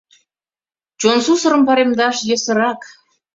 Чон сусырым паремдаш йӧсырак.